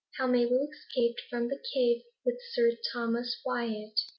V. How Mabel escaped from the Cave with Sir Thomas Wyat.